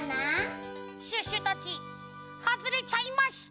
シュッシュたちはずれちゃいました！